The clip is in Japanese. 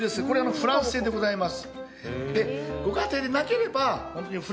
フランス製でございます。